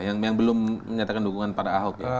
yang belum menyatakan dukungan pada ahok ya